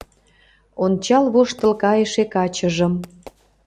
Ончал-воштыл кайыше качыжым